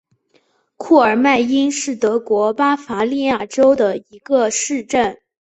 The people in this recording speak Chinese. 库尔迈因是德国巴伐利亚州的一个市镇。